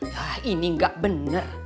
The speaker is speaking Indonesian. yah ini nggak bener